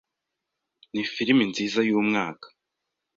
Ni film nziza yumwaka.